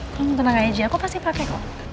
kamu tenang aja aku pasti pakai kok